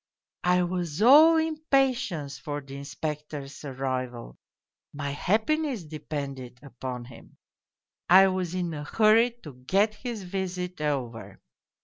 I was all impatience for the Inspector's arrival my happiness depended upon him. I was in a hurry to get his visit over.